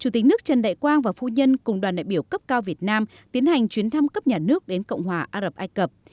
chủ tịch nước trần đại quang và phu nhân cùng đoàn đại biểu cấp cao việt nam tiến hành chuyến thăm cấp nhà nước đến cộng hòa á rập ai cập